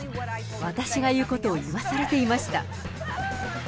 私が言うことを言わされていました。